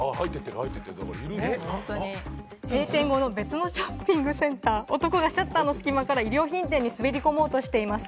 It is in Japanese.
閉店後の別のショッピングセンター、男がシャッターの隙間から衣料品店に滑り込もうとしています。